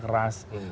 dan kita semua tahu